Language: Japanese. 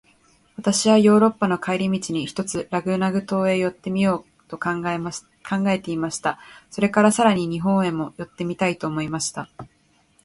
私はヨーロッパへの帰り途に、ひとつラグナグ島へ寄ってみようと考えていました。それから、さらに日本へも寄ってみたいと思いました。